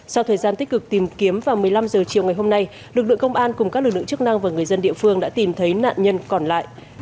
sau thời gian tích cực tìm kiếm vào một mươi năm h chiều ngày hôm nay lực lượng công an cùng các lực lượng chức năng và người dân địa phương đã tìm thấy nạn nhân còn lại